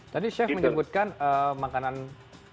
tadi chef menyebutkan makanan dengan teks